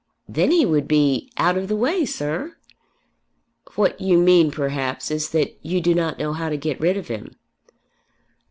"Then he would be, out of the way, sir." "What you mean perhaps is that you do not know how to get rid of him."